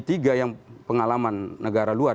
tiga yang pengalaman negara luar